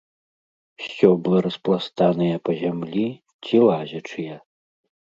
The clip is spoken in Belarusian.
Сцёблы распластаныя па зямлі ці лазячыя.